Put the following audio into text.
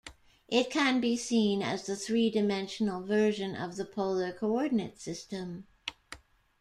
It can be seen as the three-dimensional version of the polar coordinate system.